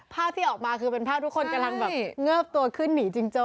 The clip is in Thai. ภาพที่ออกมาคือเป็นภาพทุกคนกำลังแบบเงิบตัวขึ้นหนีจิงโจ้